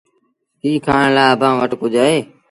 ڪيٚ کآڻ لآ اڀآنٚ وٽ ڪجھ اهي؟